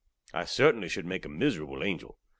I certainly should make a miserable angel.